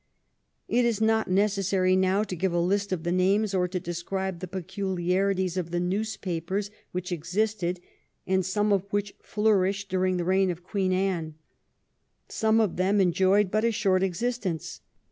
It is not necessary now to give a list of the names or to describe the peculiarities of the newspapers which existed, and some of which flourished, during the reign of Queen Anne. Some of them enjoyed but a short existence.